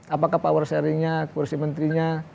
apakah power sharingnya kursi menterinya